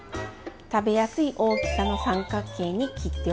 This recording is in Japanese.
食べやすい大きさの三角形に切っておきます。